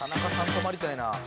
止まりたいな。